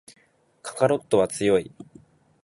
カカロットは強い